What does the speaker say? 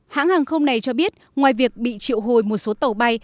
hãng hàng không này cho biết ngoài việc bị triệu hồi một số tàu bay